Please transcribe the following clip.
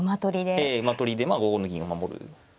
ええ馬取りでまあ５五の銀を守る。